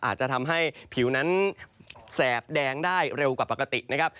อาจจะทำให้ผิวนั้นแสบแดงได้เร็วกว่าปกตินะครับ